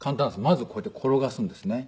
まずこうやって転がすんですね。